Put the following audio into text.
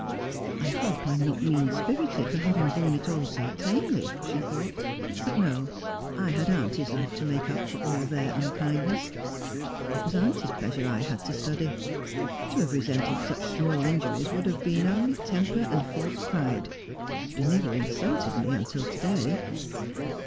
' I hope I am not mean spirited for having borne it all so tamely,' she thought. ' But no, I had auntie's love to make up for all their unkindness. It was auntie's pleasure 1 had to study. A Land of Chimnies and Smoke. 313 To have resented such small injuries would have been only temper and false pride. They never insulted me until to day.'